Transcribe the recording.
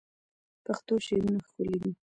پښتو شعرونه ښکلي دي